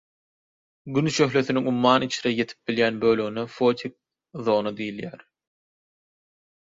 Gün şöhlesiniň umman içre ýetip bilýän bölegine fotik zona diýilýär.